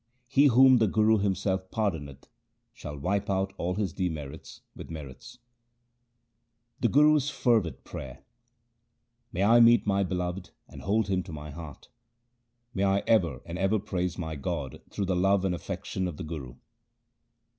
He whom the Guru himself pardoneth, shall wipe out all his demerits with merits. HYMNS OF GURU AMAR DAS 171 The Guru's fervid prayer :— May I meet my Beloved and hold Him to my heart ! May I ever and ever praise my God through the love and affection of the Guru